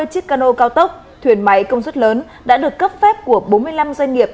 một trăm sáu mươi chiếc cano cao tốc thuyền máy công suất lớn đã được cấp phép của bốn mươi năm doanh nghiệp